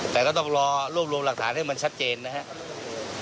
แต่ก็ต้องรอรวบรวมหลักฐานให้มันชัดเจนนะครับ